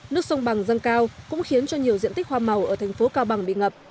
nước sông bằng dâng cao cũng khiến cho nhiều diện tích hoa màu ở thành phố cao bằng bị ngập